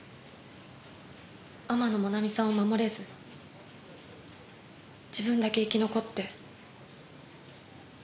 天野もなみさんを守れず自分だけ生き残って。